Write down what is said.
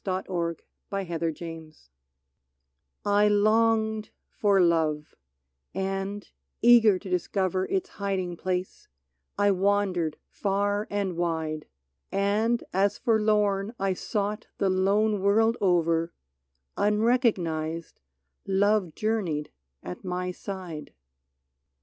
6i "I LONGED FOR LOVE" T LONGED for love, and eager to discover Its hiding place, I wandered far and wide ; And as forlorn I sought the lone world over, Unrecognized, love journeyed at my side.